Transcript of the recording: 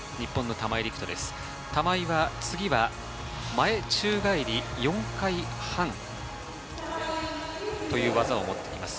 玉井は次は、前宙返り４回半という技をもってきます。